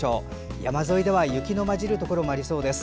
山沿いでは雪の混じるところもありそうです。